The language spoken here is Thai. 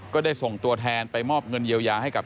ก็ได้ส่งตัวแทนไปมอบเงินเยียวยาให้กับ